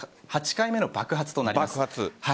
８回目の爆発となります。